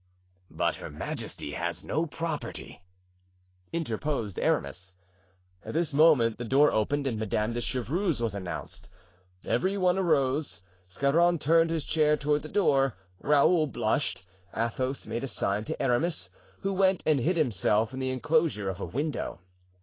"But her majesty has no property," interposed Aramis. At this moment the door opened and Madame de Chevreuse was announced. Every one arose. Scarron turned his chair toward the door, Raoul blushed, Athos made a sign to Aramis, who went and hid himself in the enclosure of a window.